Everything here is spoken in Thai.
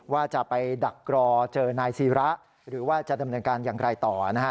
ว่าจะไปดักรอเจอนายศิระหรือว่าจะดำเนินการอย่างไรต่อนะฮะ